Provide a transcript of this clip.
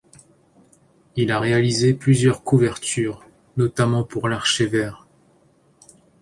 Il a réalisé plusieurs couvertures, notamment pour l'Archer Vert.